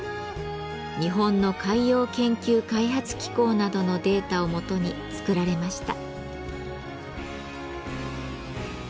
日本の海洋研究開発機構などのデータを基に作られました。